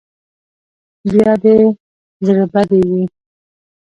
بیا دې زړه بدې وي.